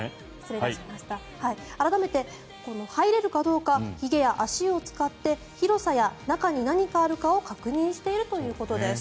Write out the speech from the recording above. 改めて、入れるかどうかひげや足を使って広さや、中に何かあるかを確認しているということです。